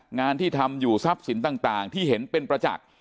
งานที่ทำอยู่ทรัพย์สินต่างที่เห็นเป็นประจักษ์